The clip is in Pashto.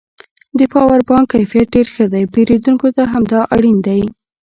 د پاور بانک کیفیت ډېر ښه دی پېرودونکو ته همدا اړین دی